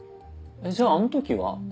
じゃああの時は？